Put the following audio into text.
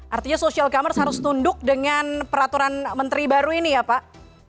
artinya social commerce harus tunduk dengan peraturan menteri baru ini ya pak